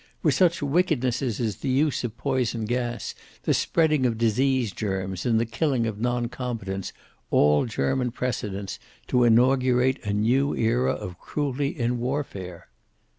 Were such wickednesses as the use of poison gas, the spreading of disease germs and the killing of non combatants, all German precedents, to inaugurate a new era of cruelty in warfare.